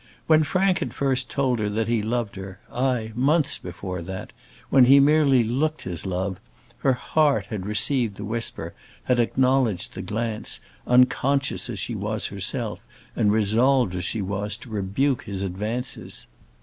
When Frank had first told her that he loved her; aye, months before that, when he merely looked his love, her heart had received the whisper, had acknowledged the glance, unconscious as she was herself, and resolved as she was to rebuke his advances.